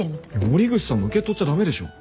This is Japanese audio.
森口さんも受け取っちゃ駄目でしょ。